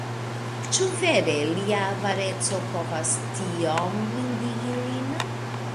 Ĉu vere lia avareco povas tiom blindigi lin?